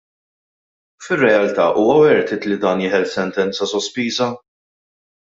Fir-realtà huwa worth it li dan jeħel sentenza sospiża?